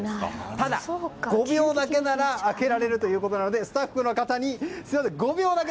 ただ、５秒だけなら開けられるということなのでスタッフの方に５秒だけ。